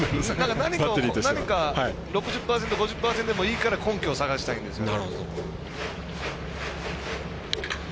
何か６０％、５０％でもいいから根拠を探したいんですよね。